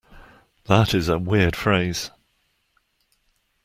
That is a weird phrase.